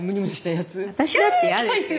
私だって嫌ですよ。